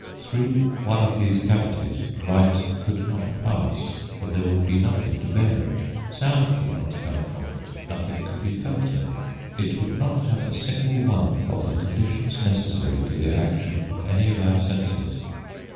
Through one of these cavities light could not pass, for there would be nothing to bear it. Sound could not come from it; nothing could be felt in it. It would not have a single one of the conditions necessary to the action of any of our senses.